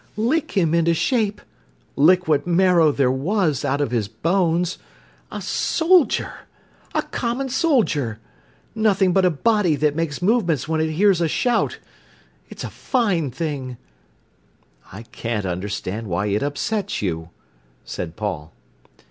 "Lick him into shape!—lick what marrow there was out of his bones. A soldier!—a common soldier!—nothing but a body that makes movements when it hears a shout! It's a fine thing!" "I can't understand why it upsets you," said Paul.